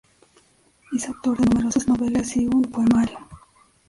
Es autor de numerosas novelas y un poemario.